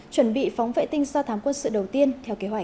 chuẩn bị phóng vệ tinh do thám quân sự đầu tiên theo kế hoạch